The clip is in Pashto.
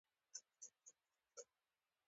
آیا دوی ژبه او کار نه ور زده کوي؟